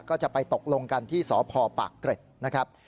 ก็จะไปตกลงกันที่สพปากเกร็ดนะครับ